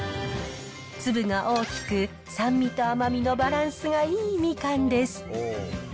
粒が大きく、酸味と甘みのバランスがいいみかんです。え？